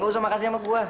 gak usah makasih sama gue